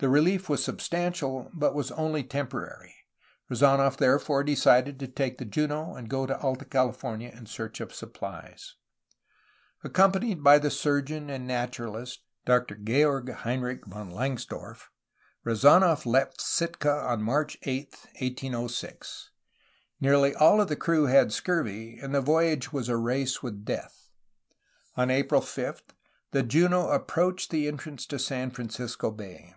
The relief was substantial, but was only temporary. Rezanof therefore decided to take the Juno and go to Alta CaHfornia in search of suppHes. Accompanied by the surgeon and naturalist Dr. Georg Heinrich von Langsdorff, Rezdnof left Sitka on March 8, 1806. Nearly all of the crew had scurvy, and the voyage was a race with death. On April 5, the Juno approached the en trance to San Francisco Bay.